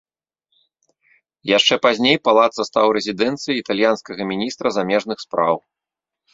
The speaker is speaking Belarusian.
Яшчэ пазней палацца стаў рэзідэнцыяй італьянскага міністра замежных спраў.